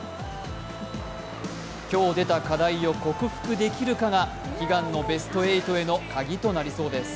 今日出た課題を克服できるかが悲願のベスト８へのカギとなりそうです。